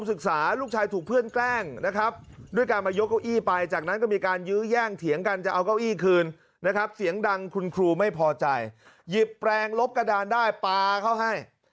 เอาเก้าอี้คืนนะครับเสียงดังคุณครูไม่พอใจหยิบแปลงลบกระดานได้ปาเขาให้